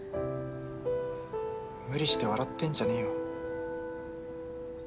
無理して笑ってんじゃねえよ